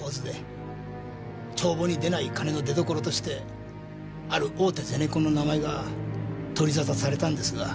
帳簿に出ない金の出所としてある大手ゼネコンの名前が取り沙汰されたんですが。